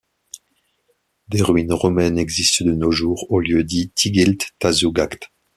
Des ruines romaines existent de nos jours au lieu dit Tighilt Tazougaght.